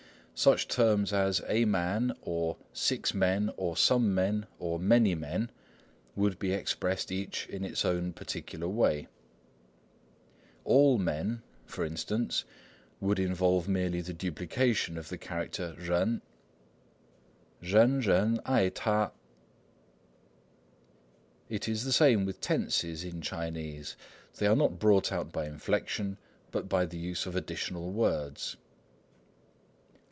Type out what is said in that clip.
Such terms as "a man," or "six men," or "some men," or "many men," would be expressed each in its own particular way. "All men," for instance, would involve merely the duplication of the character jen:— 人人爱他 jen jen ai t'a. It is the same with tenses in Chinese. They are not brought out by inflection, but by the use of additional words.